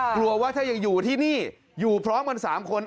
กลัวว่าถ้ายังอยู่ที่นี่อยู่พร้อมกัน๓คน